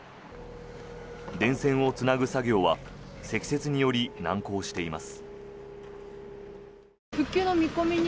電線をつなぐ作業は積雪により難航しています。